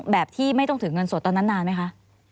แบบที่ไม่ต้องถือเงินสดตอนนั้นนานไหมคะ